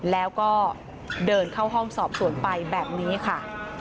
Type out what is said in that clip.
แล้วก็เดินเข้าห้องสอบสวนไปแบบนี้ค่ะ